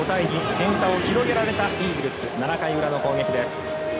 点差を広げられたイーグルス７回裏の攻撃です。